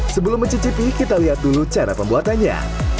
sebelum mencicipi kita lihat dulu cara pembuatannya